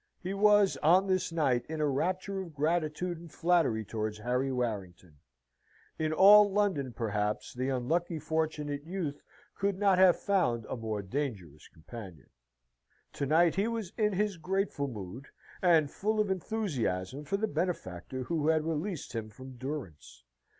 He was on this night in a rapture of gratitude and flattery towards Harry Warrington. In all London, perhaps, the unlucky Fortunate Youth could not have found a more dangerous companion. To night he was in his grateful mood, and full of enthusiasm for the benefactor who had released him from durance.